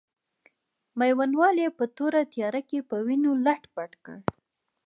میوندوال یې په توره تیاره کې په وینو لت پت کړ.